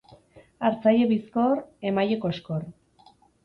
Hartzaile bizkor, emaile koxkor.